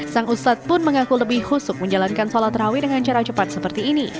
sang ustadz pun mengaku lebih husuk menjalankan sholat rawih dengan cara cepat seperti ini